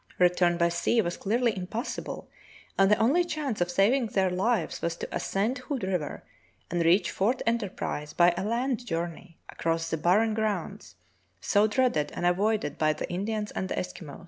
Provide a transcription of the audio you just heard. Return by sea was clearly impossible, and the only chance of saving their lives was to ascend Hood River and reach Fort Enterprise by a land journey across the barren grounds, so dreaded and avoided by the Indians and the Eskimos.